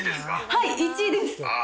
はい、１位です。